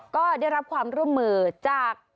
ก็ได้รับความร่วมมือจาก